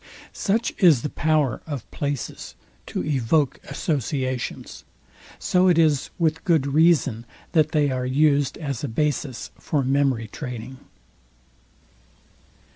"Such is the power of places to evoke associations; so it is with good reason that they are used as a basis for memory training."